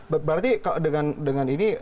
berarti dengan ini